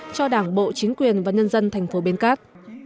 cho đảng bộ chính quyền và nhân dân thành phố bến cát